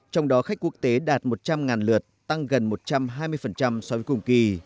trong đó khách quốc tế đạt một trăm linh lượt tăng gần một trăm hai mươi so với cùng kỳ